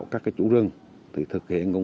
các trang thiết bị liên quan